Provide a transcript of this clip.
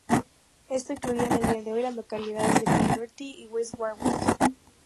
Esto incluía en el día de hoy las localidades de Coventry y West Warwick.